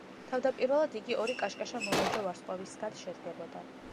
თავდაპირველად, იგი ორი კაშკაშა მოლურჯო ვარსკვლავისგან შედგებოდა.